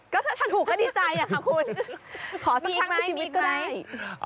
ขอสักครั้งที่ชีวิตก็ได้มีอีกไหมมีอีกไหม